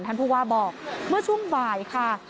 ท่านผู้ว่าบอกเมื่อช่วงบ่ายค่ะ